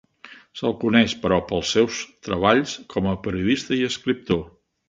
Se’l coneix, però, pels seus treballs com a periodista i escriptor.